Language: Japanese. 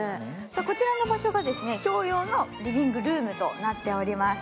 こちらの場所は共用のリビングルームとなっております。